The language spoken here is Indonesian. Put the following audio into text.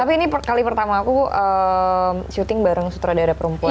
tapi ini kali pertama aku syuting bareng sutradara perempuan